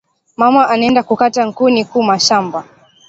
Mama anenda ku kata nkuni ku mashamba